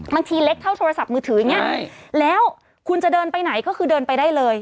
เล็กเท่าโทรศัพท์มือถืออย่างนี้แล้วคุณจะเดินไปไหนก็คือเดินไปได้เลย